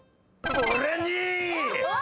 俺に。